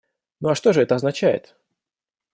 Ну а что же это означает?